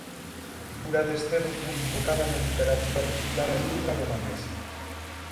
A figura de Estevo foi invocada na literatura popular e culta romanesa.